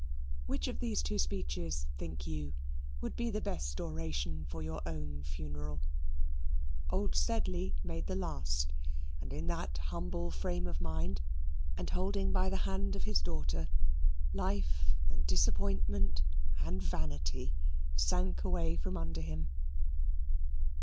Which of these two speeches, think you, would be the best oration for your own funeral? Old Sedley made the last; and in that humble frame of mind, and holding by the hand of his daughter, life and disappointment and vanity sank away from under him.